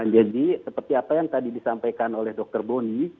jadi seperti apa yang tadi disampaikan oleh dokter boni